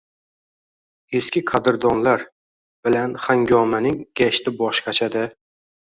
Eski qadrdonlar bilan hangomaning gashti boshqacha-da